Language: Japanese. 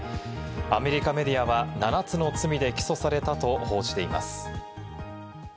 アメリカメディアは７つの罪で起訴されたと報じています。